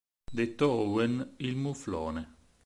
Detto Owen il Muflone.